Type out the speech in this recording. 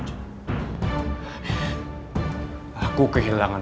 dia tahu aku kenal sedekat lelah mana